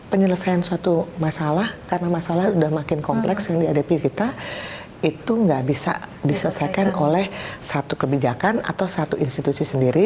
penyelesaian suatu masalah karena masalah sudah makin kompleks yang dihadapi kita itu nggak bisa diselesaikan oleh satu kebijakan atau satu institusi sendiri